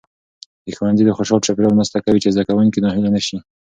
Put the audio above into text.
د ښوونځي خوشال چاپیریال مرسته کوي چې زده کوونکي ناهیلي نسي.